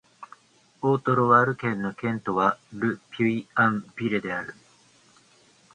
オート＝ロワール県の県都はル・ピュイ＝アン＝ヴレである